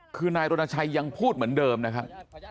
คือนายรณชัยยังพูดเหมือนเดิมนะครับ